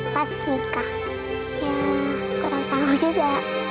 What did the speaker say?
pas nikah ya kurang tahu juga